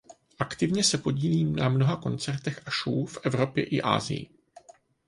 Aktivně se podílí na mnoha koncertech a show v Evropě i Asii.